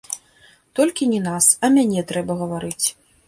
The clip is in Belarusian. Толькі не нас, а мяне, трэба гаварыць.